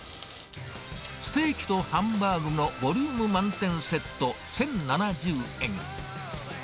ステーキとハンバーグのボリューム満点セット１０７０円。